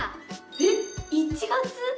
えっ１月？